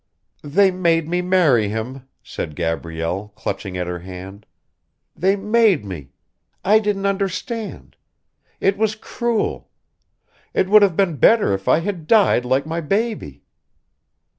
"They made me marry him," said Gabrielle, clutching at her hand. "They made me. I didn't understand. It was cruel. It would have been better if I had died like my baby."